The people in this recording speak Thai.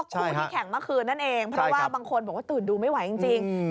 คู่ที่แข่งเมื่อคืนนั่นเองเพราะว่าบางคนบอกว่าตื่นดูไม่ไหวจริง